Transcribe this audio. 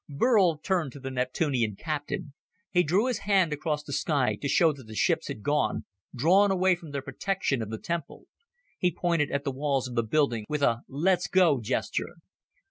Burl turned to the Neptunian captain. He drew his hand across the sky to show that the ships had gone, drawn away from their protection of the temple. He pointed at the walls of the building with a "let's go" gesture.